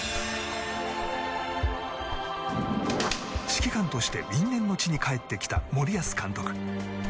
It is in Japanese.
指揮官として因縁の地に帰ってきた森保監督。